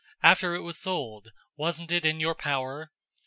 After it was sold, wasn't it in your power?